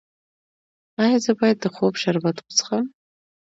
ایا زه باید د خوب شربت وڅښم؟